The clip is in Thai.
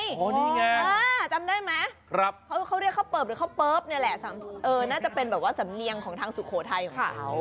นี่ไงจำได้ไหมเขาเรียกข้าวเปิบหรือข้าวเปิ๊บนี่แหละน่าจะเป็นแบบว่าสำเนียงของทางสุโขทัยของเขา